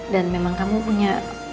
dan memang kamu punya